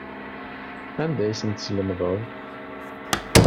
Anda ay asent-teslemdeḍ?